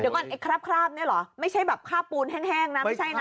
เดี๋ยวก่อนไอ้คราบเนี่ยเหรอไม่ใช่แบบคาบปูนแห้งนะไม่ใช่นะ